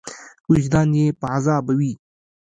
وجدان یې په عذابوي.